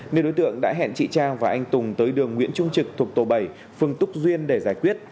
nên đối tượng đã hẹn chị trang và anh tùng tới đường nguyễn trung trực thuộc tổ bảy phường túc duyên để giải quyết